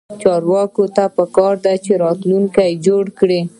چارواکو ته پکار ده چې، راتلونکی جوړ کړي